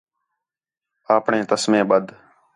آپݨے تسمے ٻدھ